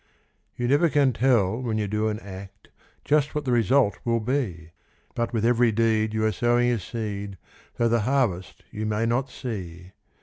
You never can tell when you do an act Just what the result will be; But with every deed you are sowing a seed, Though the harvest you may not see.